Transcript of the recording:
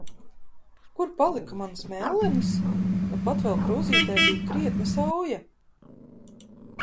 Kur palika manas mellenes?! Nupat vēl krūzītē bija krietna sauja!